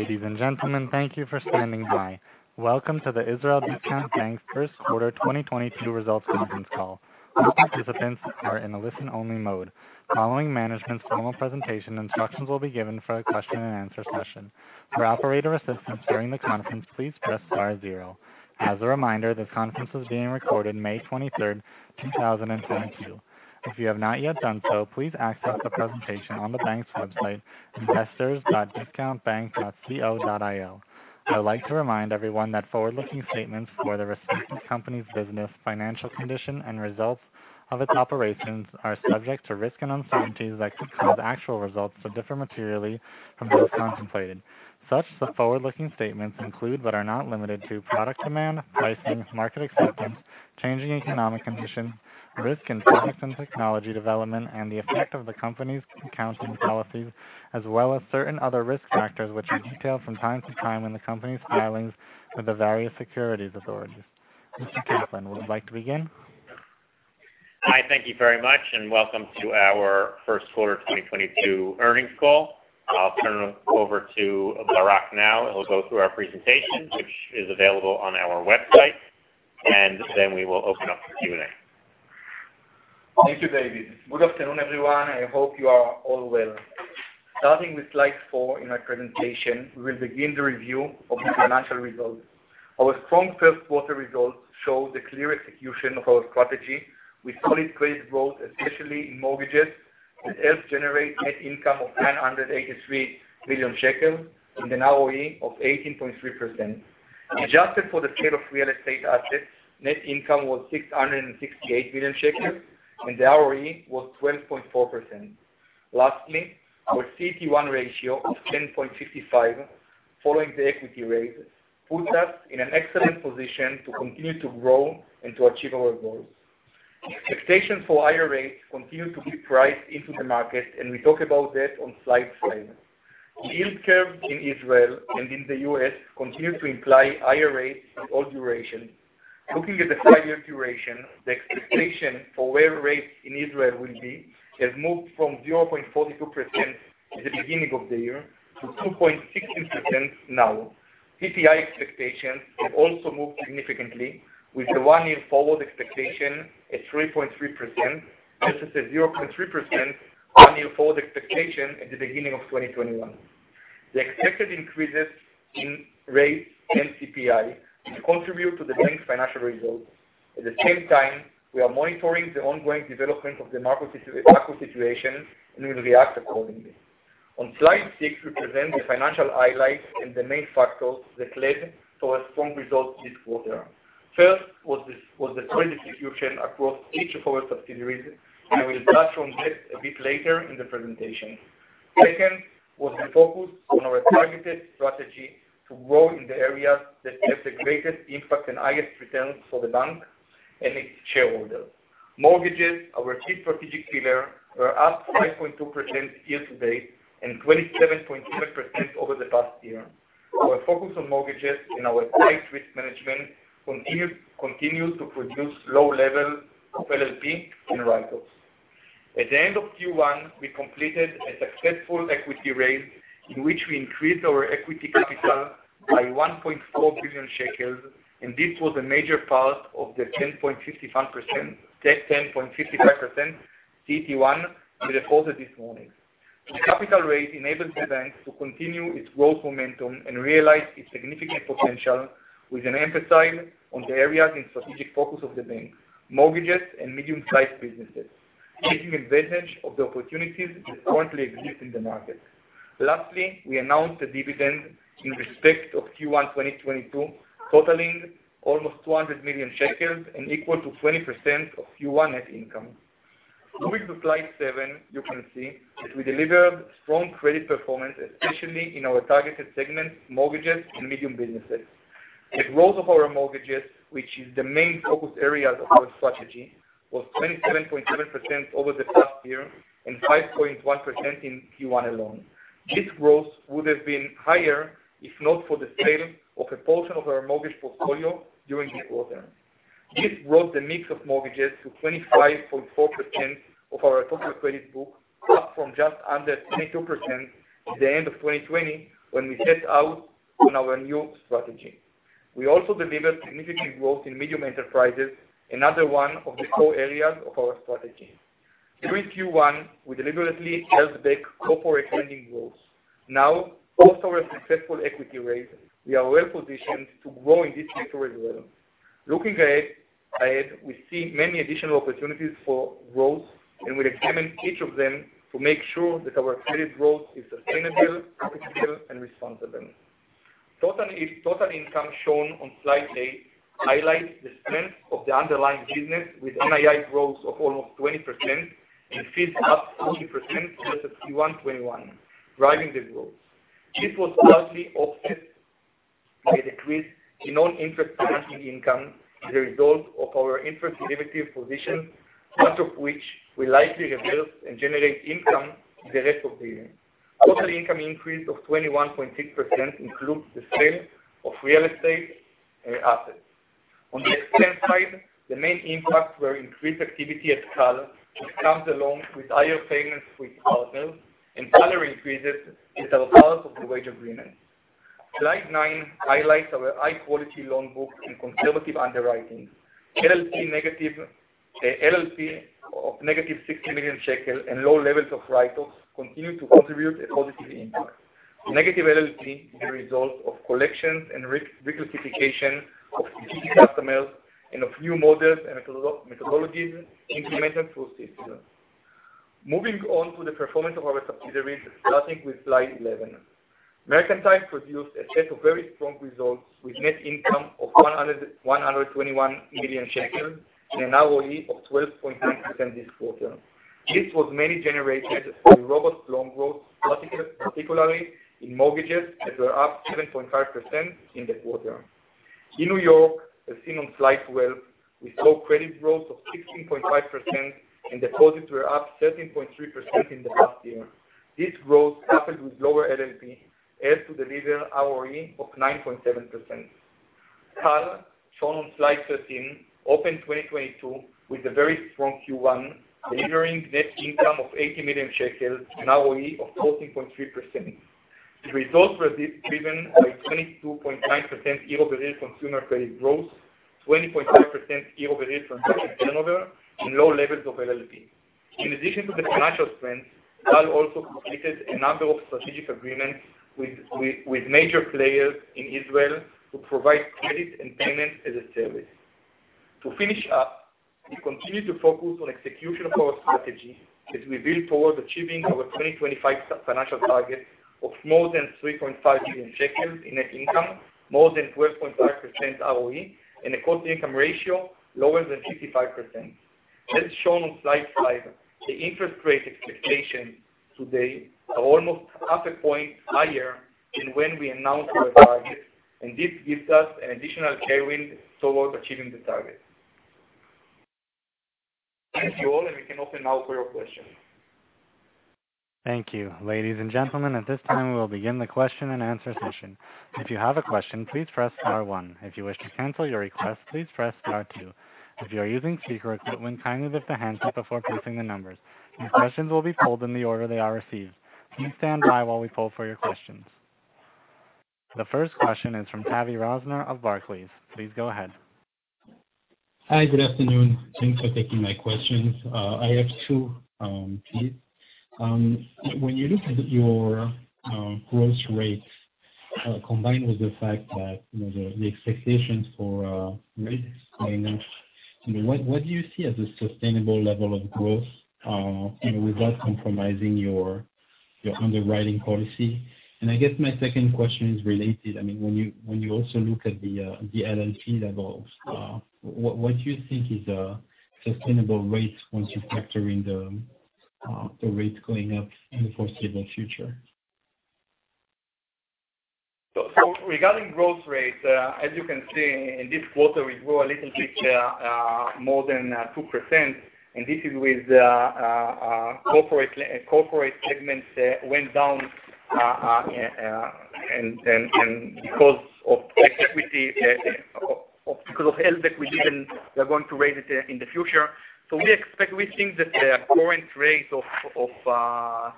Ladies and gentlemen, thank you for standing by. Welcome to the Israel Discount Bank's first quarter 2022 results conference call. All participants are in a listen only mode. Following management's formal presentation, instructions will be given for a question-and-answer session. For operator assistance during the conference, please press star zero. As a reminder, this conference is being recorded May 23rd, 2022. If you have not yet done so, please access the presentation on the bank's website, investors.discountbank.co.il. I would like to remind everyone that forward-looking statements for the respective company's business, financial condition and results of its operations are subject to risks and uncertainties that could cause actual results to differ materially from those contemplated. Such forward-looking statements include, but are not limited to, product demand, pricing, market acceptance, changing economic conditions, risk in products and technology development, and the effect of the company's accounting policies, as well as certain other risk factors, which are detailed from time to time in the company's filings with the various securities authorities. Mr. Kaplan, would you like to begin? Hi, thank you very much, and welcome to our first quarter 2022 earnings call. I'll turn it over to Barak now, who will go through our presentation, which is available on our website, and then we will open up for Q&A. Thank you, David. Good afternoon, everyone. I hope you are all well. Starting with slide four in our presentation, we will begin the review of the financial results. Our strong first quarter results show the clear execution of our strategy with solid credit growth, especially in mortgages, that helped generate net income of 983 million shekels and an ROE of 18.3%. Adjusted for the sale of real estate assets, net income was 668 million shekels, and the ROE was 12.4%. Lastly, our CET1 ratio of 10.55 following the equity raise, puts us in an excellent position to continue to grow and to achieve our goals. Expectations for higher rates continue to be priced into the market, and we talk about that on slide five. The yield curve in Israel and in the U.S. continue to imply higher rates of all duration. Looking at the five-year duration, the expectation for where rates in Israel will be has moved from 0.42% at the beginning of the year to 2.16% now. PPI expectations have also moved significantly with the one-year forward expectation at 3.3% versus a 0.3% one-year forward expectation at the beginning of 2021. The expected increases in rates and CPI will contribute to the bank's financial results. At the same time, we are monitoring the ongoing development of the macro situation and will react accordingly. On slide six, we present the financial highlights and the main factors that led to a strong result this quarter. First was the credit execution across each of our subsidiaries, and we'll touch on this a bit later in the presentation. Second was the focus on our targeted strategy to grow in the areas that have the greatest impact and highest returns for the bank and its shareholders. Mortgages, our key strategic pillar, were up 5.2% year to date and 27.7% over the past year. Our focus on mortgages and our tight risk management continued to produce low level of LLP and write-offs. At the end of Q1, we completed a successful equity raise in which we increased our equity capital by 1.4 billion shekels, and this was a major part of the 10.55% CET1 in the quarter this morning. The capital raise enabled the bank to continue its growth momentum and realize its significant potential with an emphasis on the areas and strategic focus of the bank, mortgages and medium-sized businesses, taking advantage of the opportunities that currently exist in the market. Lastly, we announced a dividend in respect of Q1 2022, totaling almost 200 million shekels and equal to 20% of Q1 net income. Moving to slide seven, you can see that we delivered strong credit performance, especially in our targeted segments, mortgages and medium businesses. The growth of our mortgages, which is the main focus areas of our strategy, was 27.7% over the past year and 5.1% in Q1 alone. This growth would have been higher if not for the sale of a portion of our mortgage portfolio during the quarter. This brought the mix of mortgages to 25.4% of our total credit book, up from just under 22% at the end of 2020 when we set out on our new strategy. We also delivered significant growth in medium enterprises, another one of the core areas of our strategy. Through Q1, we deliberately held back corporate lending growth. Now, post our successful equity raise, we are well-positioned to grow in this sector as well. Looking ahead, we see many additional opportunities for growth, and we examine each of them to make sure that our credit growth is sustainable, profitable, and responsible. Total non-interest income shown on slide eight highlights the strength of the underlying business with NII growth of almost 20% and fees up 40% versus Q1 2021, driving the growth. This was largely offset by a decrease in non-interest financing income as a result of our interest derivative position, much of which will likely reverse and generate income in the rest of the year. Total income increase of 21.6% includes the sale of real estate assets. On the expense side, the main impacts were increased activity at Cal, which comes along with higher payments with partners and salary increases as a part of the wage agreement. Slide nine highlights our high-quality loan book and conservative underwriting. LLP of negative 60 million shekel and low levels of write-offs continue to contribute a positive impact. Negative LLP is a result of collections and reclassification of existing customers and of new models and methodologies implemented through systems. Moving on to the performance of our subsidiaries, starting with slide eleven. Mercantile produced a set of very strong results, with net income of 121 million shekels and an ROE of 12.9% this quarter. This was mainly generated from robust loan growth, particularly in mortgages that were up 7.5% in the quarter. In New York, as seen on slide twelve, we saw credit growth of 16.5%, and deposits were up 13.3% in the past year. This growth, coupled with lower LLP, helped to deliver ROE of 9.7%. Cal, shown on slide thirteen, opened 2022 with a very strong Q1, delivering net income of 80 million shekels and ROE of 14.3%. The results were driven by 22.9% year-over-year consumer credit growth, 20.5% year-over-year transaction turnover, and low levels of LLP. In addition to the financial strength, Cal also completed a number of strategic agreements with major players in Israel to provide credit and payments as a service. To finish up, we continue to focus on execution of our strategy as we build towards achieving our 2025 financial target of more than 3.5 billion shekels in net income, more than 12.5% ROE, and a cost income ratio lower than 55%. As shown on slide five, the interest rate expectations today are almost half a point higher than when we announced our target, and this gives us an additional tailwind towards achieving the target. Thank you all, and we can open now for your questions. Thank you. Ladies and gentlemen, at this time, we will begin the question and answer session. If you have a question, please press star one. If you wish to cancel your request, please press star two. If you are using speaker equipment, kindly lift the handset before pressing the numbers. Your questions will be pulled in the order they are received. Please stand by while we pull for your questions. The first question is from Tavy Rosner of Barclays. Please go ahead. Hi, good afternoon. Thanks for taking my questions. I have two, please. When you look at your growth rates, combined with the fact that, you know, the expectations for rates going up, I mean, what do you see as a sustainable level of growth, you know, without compromising your underwriting policy? I guess my second question is related. I mean, when you also look at the LLP levels, what do you think is a sustainable rate once you're factoring the rates going up in the foreseeable future? Regarding growth rates, as you can see, in this quarter, we grew a little bit more than 2%, and this is with corporate segments went down and because of high equity because of held equity that we're going to raise it in the future. We think that the current rate of about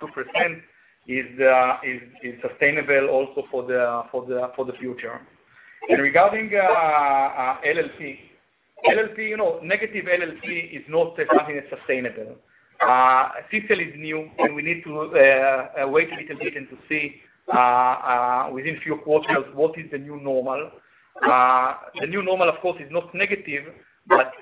2% is sustainable also for the future. Regarding LLP, you know, negative LLP is not something that's sustainable. CECL is new, and we need to wait a little bit and to see within a few quarters what is the new normal. The new normal, of course, is not negative, but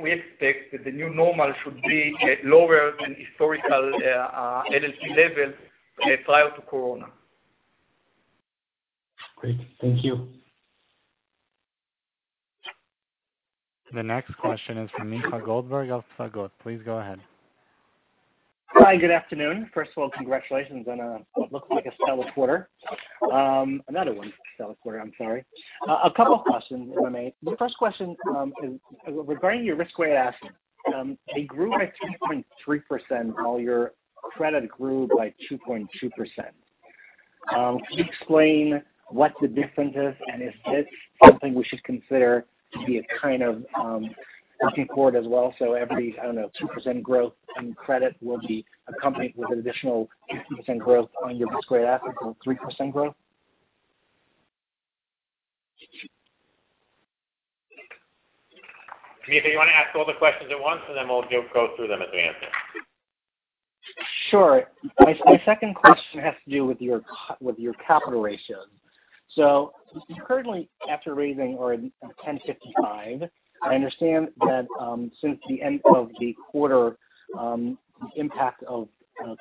we expect that the new normal should be lower than historical LLP levels prior to Corona. Great. Thank you. The next question is from Micha Goldberg of Psagot. Please go ahead. Hi, good afternoon. First of all, congratulations on what looks like another stellar quarter. I'm sorry. A couple of questions if I may. The first question is regarding your risk-weighted assets. They grew by 2.3% while your credit grew by 2.2%. Could you explain what the difference is, and is this something we should consider to be a kind of looking forward as well, so every, I don't know, 2% growth in credit will be accompanied with an additional 2% growth on your risk-weighted assets or 3% growth? Micha, you want to ask all the questions at once, and then we'll go through them as we answer. Sure. My second question has to do with your capital ratio. Currently, after raising CET1 to 10.55, I understand that since the end of the quarter, the impact of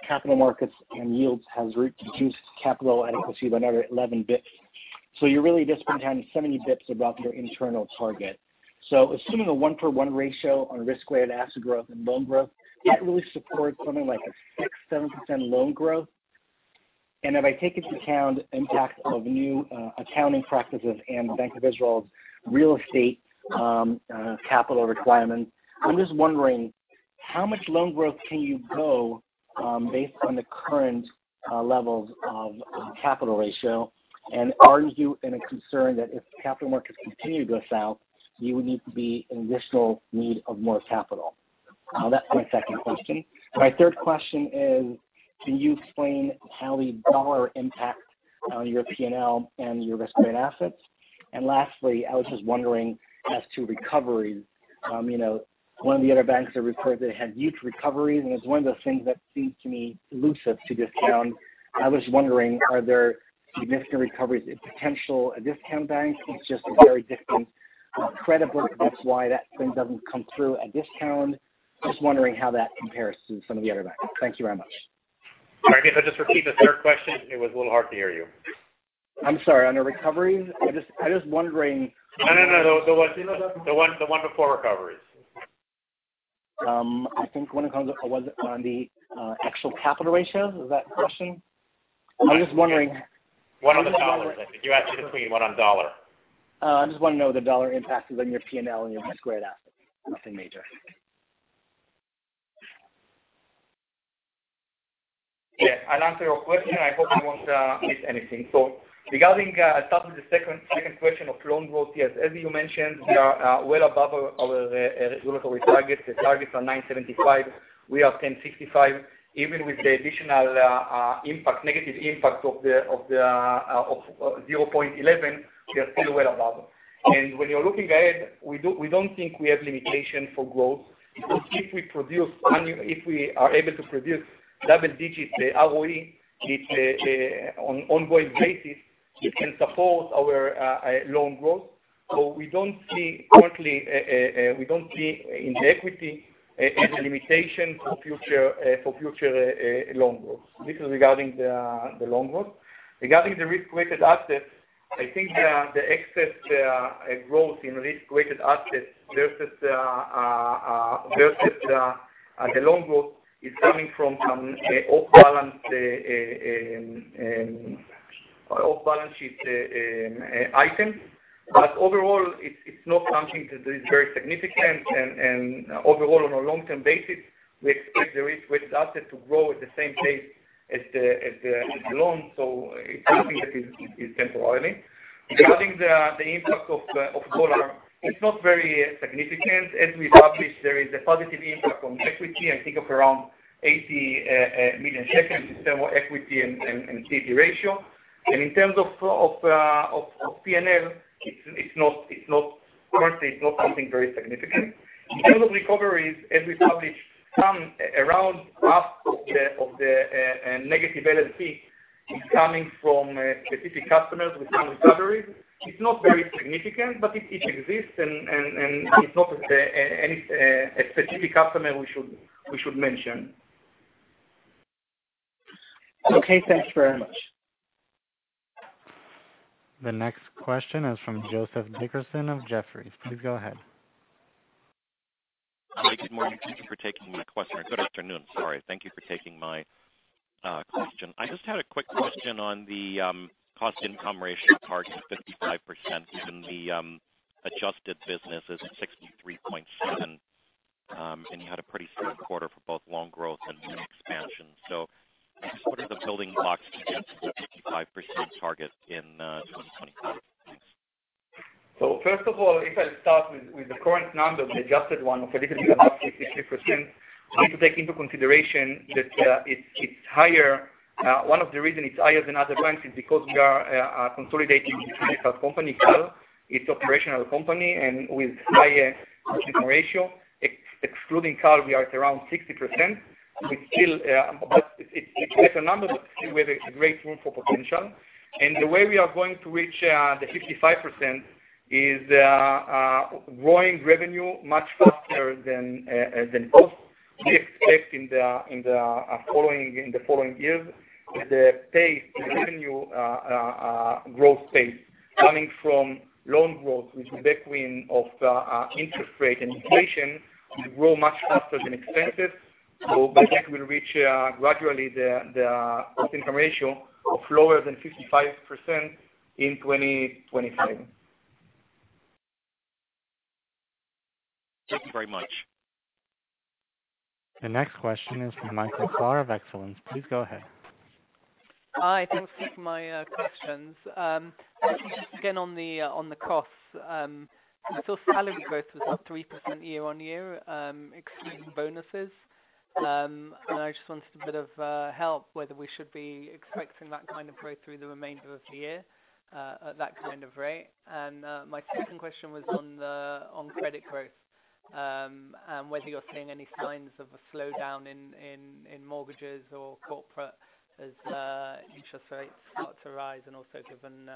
capital markets and yields has reduced capital adequacy by another 11 basis points. You're really just 70 basis points above your internal target. Assuming a 1-for-1 ratio on risk-weighted asset growth and loan growth, that really supports something like 6%-7% loan growth. If I take into account impact of new accounting practices and Bank of Israel's real estate capital requirements, I'm just wondering how much loan growth can you go based on the current levels of capital ratio? Are you concerned that if the capital markets continue to go south, you would need to be in additional need of more capital? That's my second question. My third question is, can you explain how the dollar impact on your P&L and your risk-weighted assets? Lastly, I was just wondering as to recovery. You know, one of the other banks have reported they had huge recoveries, and it's one of those things that seems to me elusive to Discount. I was wondering, are there significant recoveries for Discount Bank? It's just a very different credit book, that's why that thing doesn't come through at Discount. Just wondering how that compares to some of the other banks. Thank you very much. Sorry, can you just repeat the third question? It was a little hard to hear you. I'm sorry. On the recovery, I was just wondering- No. The one before recoveries. Was it on the actual capital ratio? Is that the question? I'm just wondering. One on the U.S. Dollars. You asked to explain one on U.S. dollar. I just want to know the dollar impact is on your P&L and your risk-weighted assets. Nothing major. Yeah. I'll answer your question. I hope I won't miss anything. Regarding, start with the second question of loan growth. Yes. As you mentioned, we are well above our regulatory targets. The targets are 9.75%. We are 10.65%. Even with the additional negative impact of 0.11%, we are still well above. When you're looking ahead, we don't think we have limitation for growth. Because if we are able to produce double digits ROE on ongoing basis, it can support our loan growth. We don't see currently in the equity any limitation for future loan growth. This is regarding the loan growth. Regarding the risk-weighted assets, I think the excess growth in risk-weighted assets versus the loan growth is coming from some off balance sheet item. Overall, it's not something that is very significant. Overall, on a long-term basis, we expect the risk-weighted asset to grow at the same pace as the loans. It's something that is temporarily. Regarding the impact of dollar, it's not very significant. As we published, there is a positive impact on equity, I think of around 80 million in terms of equity and CET1 ratio. In terms of P&L, it's not. Currently, it's not something very significant. In terms of recoveries, as we published, some around half of the negative LLP is coming from specific customers with some recoveries. It's not very significant, but it exists and it's not any specific customer we should mention. Okay, thanks very much. The next question is from Joseph Dickerson of Jefferies. Please go ahead. Good afternoon. Sorry. Thank you for taking my question. I just had a quick question on the cost income ratio target of 55%. Even the adjusted business is 63.7%. You had a pretty strong quarter for both loan growth and expansion. What are the building blocks to get to the 55% target in 2025? First of all, if I start with the current number, the adjusted one of a little bit above 63%, we need to take into consideration that it's higher. One of the reasons it's higher than other banks is because we are consolidating between our company, Cal, its operational company and with higher cost income ratio. Excluding Cal, we are at around 60%. We still, but it's less a number, but still with a great room for potential. The way we are going to reach the 55% is growing revenue much faster than costs. We expect in the following years, the revenue growth pace coming from loan growth, which will be a function of interest rate and inflation, will grow much faster than expenses. By that, we'll reach gradually a cost income ratio lower than 55% in 2025. Thank you very much. The next question is from Michael Klahr of Citi. Please go ahead. Hi. Thanks for my questions. Just again on the costs. We saw salary growth was up 3% year-on-year, excluding bonuses. I just wanted a bit of help whether we should be expecting that kind of growth through the remainder of the year, at that kind of rate. My second question was on credit growth, and whether you're seeing any signs of a slowdown in mortgages or corporate as interest rates start to rise and also given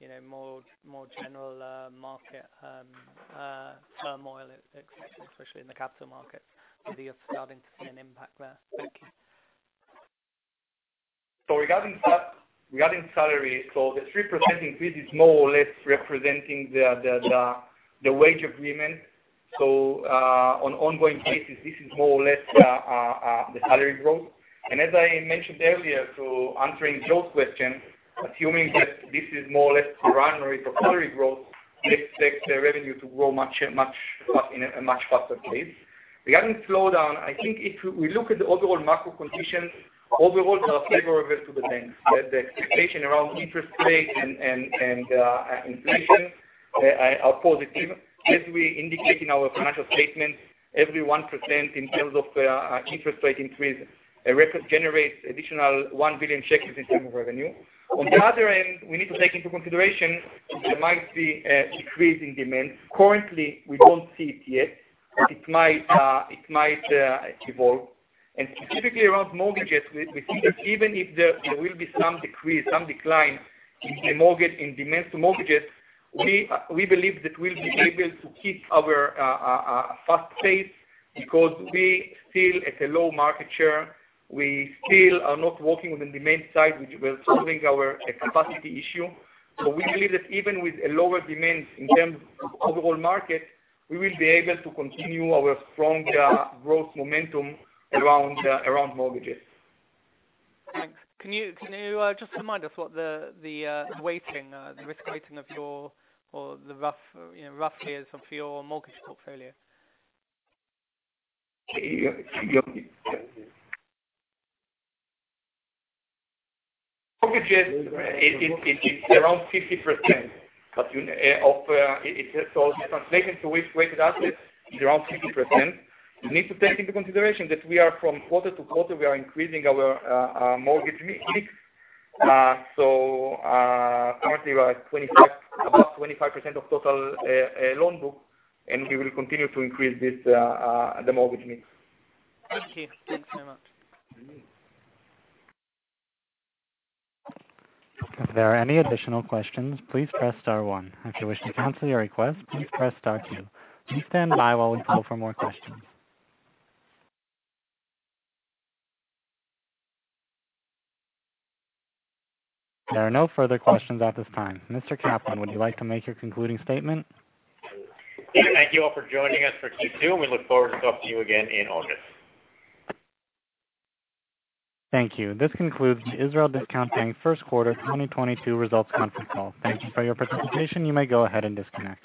you know, more general market turmoil, especially in the capital markets, whether you're starting to see an impact there. Thank you. Regarding salary, the 3% increase is more or less representing the wage agreement. On ongoing basis, this is more or less the salary growth. As I mentioned earlier, answering Joe's question, assuming that this is more or less primary for salary growth. They expect the revenue to grow much in a much faster pace. Regarding slowdown, I think if we look at the overall macro conditions, overall they are favorable to the banks. The expectation around interest rates and inflation are positive. As we indicate in our financial statements, every 1% in terms of interest rate increase, it records generates additional 1 billion shekels in terms of revenue. On the other hand, we need to take into consideration there might be a decrease in demand. Currently, we don't see it yet, but it might evolve. Specifically around mortgages, we think that even if there will be some decrease, some decline in mortgage demand for mortgages, we believe that we'll be able to keep our fast pace because we still at a low market share. We still are not working on the demand side, which will solve our capacity issue. We believe that even with a lower demand in terms of overall market, we will be able to continue our strong growth momentum around mortgages. Thanks. Can you just remind us what the risk weighting of your or the rough, you know, rough tiers of your mortgage portfolio? Mortgages, it's around 50%. Translated to risk-weighted assets is around 50%. We need to take into consideration that we are quarter-over-quarter, we are increasing our mortgage mix. Currently we are at 25%, above 25% of total loan book, and we will continue to increase this, the mortgage mix. Thank you. Thanks very much. If there are any additional questions, please press star one. If you wish to cancel your request, please press star two. Please stand by while we poll for more questions. There are no further questions at this time. Mr. Kaplan, would you like to make your concluding statement? Yeah. Thank you all for joining us for Q2, and we look forward to talking to you again in August. Thank you. This concludes the Israel Discount Bank first quarter 2022 results conference call. Thank you for your participation. You may go ahead and disconnect.